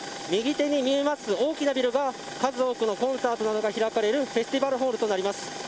右手に見えます大きなビルが数多くのコンサートなどが開かれるフェスティバルホールとなります。